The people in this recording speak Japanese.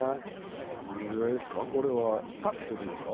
どれぐらいですか？